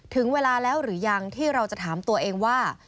ถึงเวลาแล้วหรือยังที่เราจะถามตัวเองว่า